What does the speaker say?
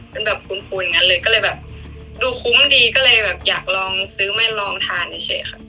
เป็นแบบคูณอย่างนั้นเลยก็เลยแบบดูคุ้มดีก็เลยแบบอยากลองซื้อมาลองทานเฉยค่ะ